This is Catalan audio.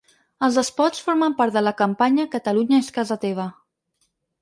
Els espots formen part de la campanya ‘Catalunya és casa teva’.